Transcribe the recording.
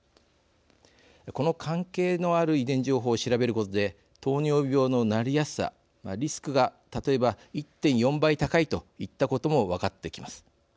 この関係のある遺伝情報を調べることで糖尿病のなりやすさ、リスクが例えば１．４倍高いといったことも分かってきます。